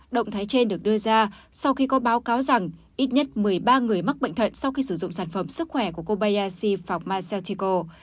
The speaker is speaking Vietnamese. động thái trên được đưa ra sau khi có báo cáo rằng ít nhất một mươi ba người mắc bệnh thận sau khi sử dụng sản phẩm sức khỏe của kobayashi phòng massautico